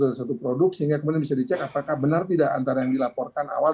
dari satu produk sehingga kemudian bisa dicek apakah benar tidak antara yang dilaporkan awal